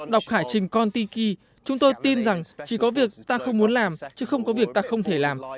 đọc hải trình contiki chúng tôi tin rằng chỉ có việc ta không muốn làm chứ không có việc ta không thể làm